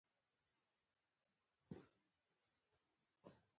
دوښمن مه پرېږدئ، چي ستاسي په کورنۍ مسائلو کښي کار ولري.